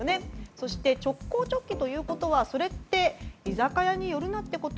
そして直行直帰ということはそれって居酒屋に寄るなということ？